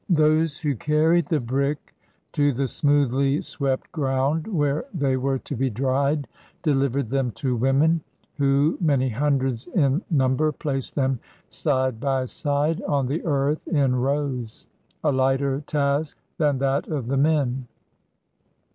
Those who carried the brick to the smoothly swept ground where they were to be dried, delivered them to women, who, many hundreds in num ber, placed them side by side on the earth in rows — a lighter task than that of the men.